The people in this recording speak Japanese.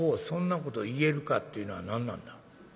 そんなこと言えるか』っていうのは何なんだ？」。